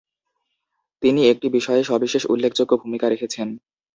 তিনি একটি বিষয়ে সবিশেষ উল্লেখযোগ্য ভূমিকা রেখেছেন।